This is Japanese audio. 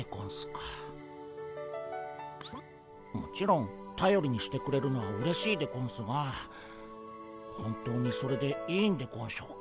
もちろんたよりにしてくれるのはうれしいでゴンスが本当にそれでいいんでゴンショうか。